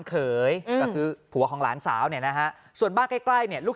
เขยก็คือผัวของหลานสาวเนี่ยนะฮะส่วนบ้านใกล้ใกล้เนี่ยลูก